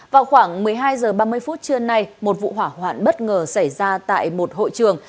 vào khoảng một mươi hai h ba mươi phút trưa nay một vụ hỏa hoạn bất ngờ xảy ra tại một hội trường